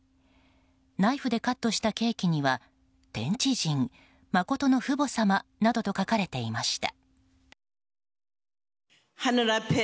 ナイフでカットしたケーキには「天地人真の父母様」などと書かれていました。